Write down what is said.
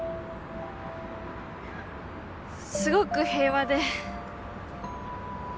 すごく平和で。